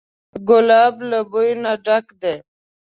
ګلاب له بوی نه ډک دی.